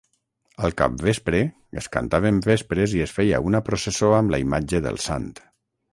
Al capvespre, es cantaven vespres i es feia una processó amb la imatge del Sant.